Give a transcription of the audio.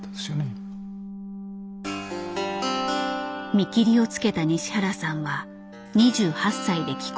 見切りをつけた西原さんは２８歳で帰国。